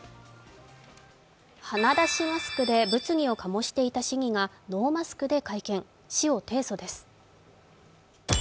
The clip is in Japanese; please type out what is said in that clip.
鼻出しマスクで物議を醸していた市議がノーマスクで会見、市を提訴です。